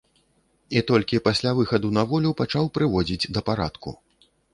І толькі пасля выхаду на волю пачаў прыводзіць да парадку.